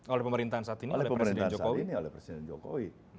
oleh pemerintahan saat ini oleh presiden jokowi